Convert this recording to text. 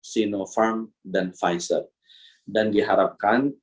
sinovac dan pfizer dan diharapkan